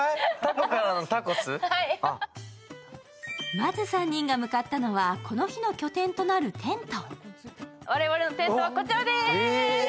まず３人が向かったのはこの日の拠点となるテント。